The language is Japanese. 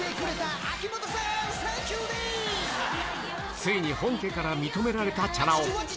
ついに本家から認められたチャラ男。